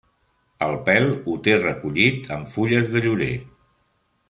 El pèl ho té recollit amb fulles de llorer.